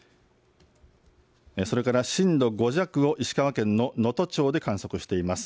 それから震度５弱を石川県の能登町で観測しています。